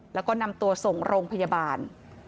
แล้วก็นำตัวส่งโรงพยาบาล